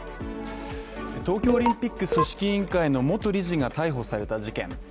東京オリンピック組織委員会の元理事が逮捕された事件。